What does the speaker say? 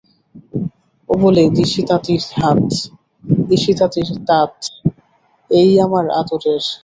ও বলে দিশি তাঁতির হাত, দিশি তাঁতির তাঁত, এই আমার আদরের।